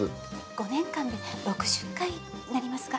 ５年間で６０回になりますが。